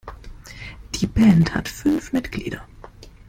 Die Band hat fünf Mitglieder.